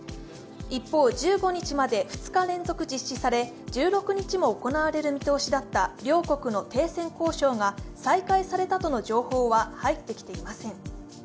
一方、１５日まで２日連続実施され１６日も行われる見通しだった両国の停戦交渉が再開されたとの情報は入ってきていません。